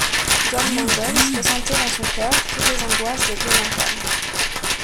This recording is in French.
John Mangles ressentait dans son cœur toutes les angoisses de Glenarvan.